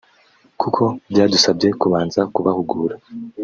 kuko byadusabye kubanza kubahugura